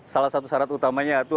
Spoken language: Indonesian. salah satu syarat utamanya